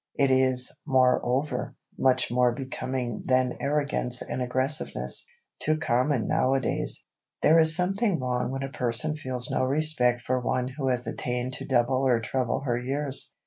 It is, moreover, much more becoming than arrogance and aggressiveness, too common nowadays. There is something wrong when a person feels no respect for one who has attained to double or treble her years.